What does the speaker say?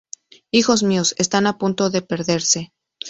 Hijos míos, están a punto de perderse.